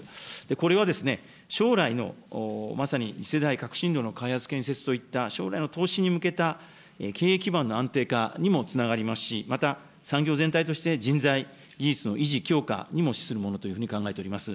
これは将来の、まさに次世代革新炉の開発、建設といった、将来に向けた経営基盤の安定化にもつながりますし、また、産業全体として、人材、技術の維持強化にも資するものというふうに考えております。